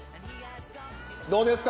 どうですか？